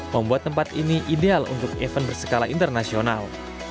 membuat tempat ini ideal untuk event berskala internasional